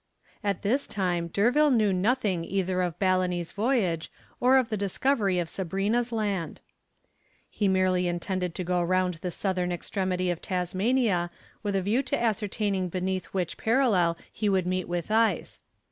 At this time D'Urville knew nothing either of Balleny's voyage, or of the discovery of Sabrina's Land. He merely intended to go round the southern extremity of Tasmania with a view to ascertaining beneath which parallel he would meet with ice.